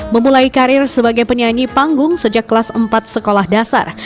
memulai karir sebagai penyanyi panggung sejak kelas empat sekolah dasar